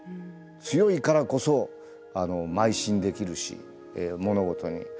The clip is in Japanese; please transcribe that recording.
強いからこそ邁進できるし物事に。